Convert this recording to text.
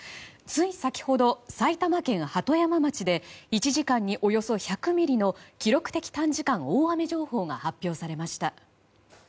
つい先ほど埼玉県鳩山町で１時間におよそ１００ミリの記録的短時間大雨情報が発表されました。